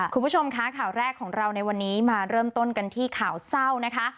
คุณผู้ชมคะข่าวแรกของเราในวันนี้มาเริ่มต้นกันที่ข่าวเศร้านะคะ